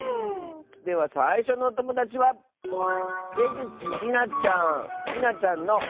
ではさいしょのおともだちはりなちゃんの。